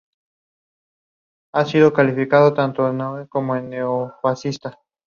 Luego se trasladó a la preparatoria de baloncesto "Oak Hill Academy".